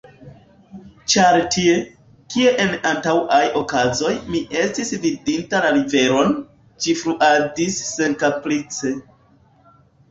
Ĉar tie, kie en antaŭaj okazoj mi estis vidinta la riveron, ĝi fluadis senkaprice.